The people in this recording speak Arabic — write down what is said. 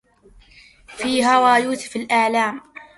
أفي هوى يوسف ألام